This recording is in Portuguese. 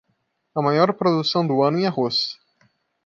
A maior produção do ano em arroz.